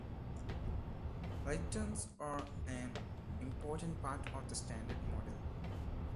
Leptons are an important part of the Standard Model.